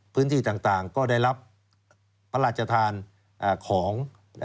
พื้นที่ต่างก็ได้รับพระราชทานของ